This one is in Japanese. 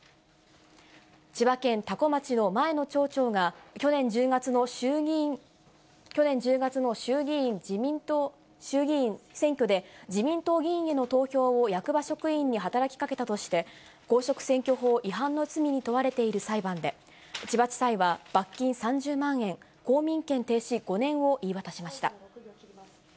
千葉県多古町の前の町長が、去年１０月の衆議院選挙で、自民党議員への投票を役場職員に働きかけたとして、公職選挙法違反の罪に問われている裁判で、千葉地裁は罰金３０万円、公民権停止５年を言い渡しました。